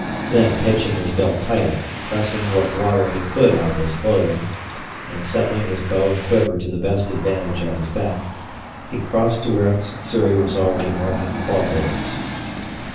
Then, hitching his belt tighter, pressing what water he could out of his clothing, and settling his bow and quiver to the best advantage at his back, he crossed to where Sssuri was already marking claw holds.